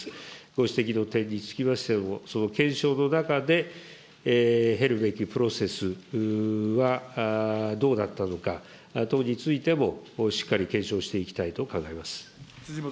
ご指摘の点につきましても、その検証の中で、経るべきプロセスはどうだったのか等についても、しっかり検証していきたいと考えます。